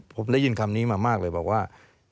ผมได้ยินคำนี้มามากเลยบอกว่า